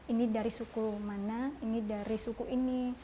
ini dari suku mana ini dari suku ini